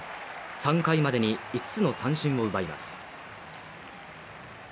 ３回までに５つの三振を奪います。